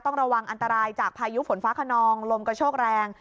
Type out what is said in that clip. ต้องระวังอันตรายจากพายุฝนฟ้าขนองลมกระโชกแรง